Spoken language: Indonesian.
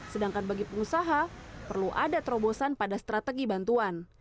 sedangkan bagi pengusaha perlu ada terobosan pada strategi bantuan